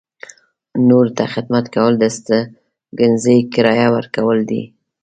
نورو ته خدمت کول د استوګنځي کرایه ورکول دي.